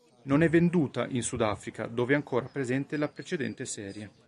Non è venduta in Sud Africa, dove è ancora presente la precedente serie.